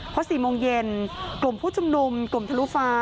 พอ๔โมงเย็นกลุ่มผู้ชุมนุมกลุ่มทะลุฟ้า